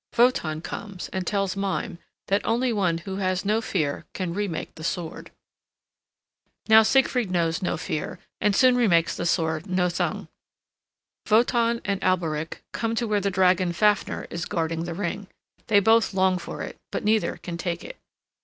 Wotan comes and tells Mime that only one who has no fear can remake the sword. Now Siegfried knows no fear and soon remakes the sword Nothung. Wotan and Alberich come to where the dragon Fafner is guarding the ring. They both long for it, but neither can take it.